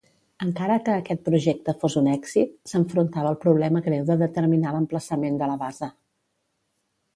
Encara que aquest projecte fos un èxit, s'enfrontava al problema greu de determinar l'emplaçament de la base.